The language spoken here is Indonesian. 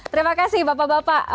terima kasih bapak bapak